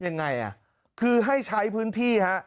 ยังไงคือให้ใช้พื้นที่